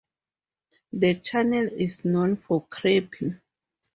The channel is known for crappie.